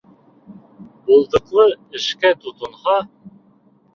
Булдыҡлы эшкә тотонһа